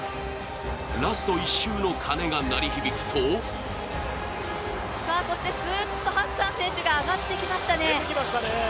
ラスト１周の鐘が鳴り響くとすーっとハッサン選手が上がってきましたね。